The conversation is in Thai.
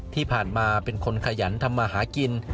ที่ผ่านมาเป็นคนขยันทำมาหากิน